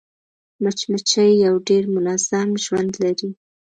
مچمچۍ یو ډېر منظم ژوند لري